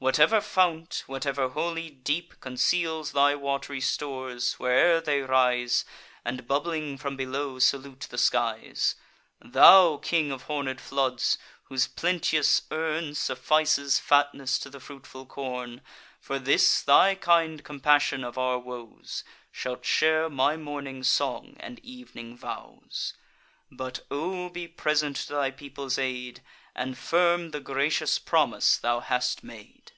Whatever fount, whatever holy deep, Conceals thy wat'ry stores; where'er they rise, And, bubbling from below, salute the skies; Thou, king of horned floods, whose plenteous urn Suffices fatness to the fruitful corn, For this thy kind compassion of our woes, Shalt share my morning song and ev'ning vows. But, O be present to thy people's aid, And firm the gracious promise thou hast made!"